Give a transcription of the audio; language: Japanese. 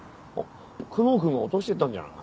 久能君が落としてったんじゃない？